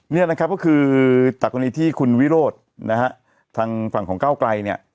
นี่นะครับก็คือจากกรณีที่คุณวิโรธนะฮะทางฝั่งของก้าวไกลเนี่ย